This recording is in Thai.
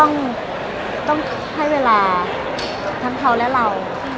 ก็อันนี้ก็ต้องให้เวลาทำเขาและเรา